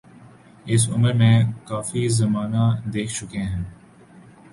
اس عمر میں کافی زمانہ دیکھ چکے ہیں۔